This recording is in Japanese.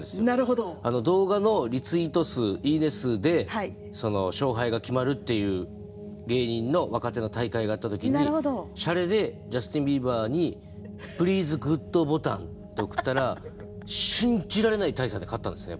動画のリツイート数いいね数で勝敗が決まるっていう芸人の若手の大会があった時にシャレでジャスティンビーバーに「プリーズグッドボタン」って送ったら信じられない大差で勝ったんですね